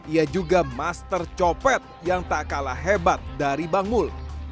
ia juga master copet yang tak kalah hebat dari bang mul